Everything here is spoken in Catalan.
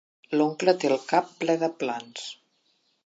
L'oncle té el cap ple de plans.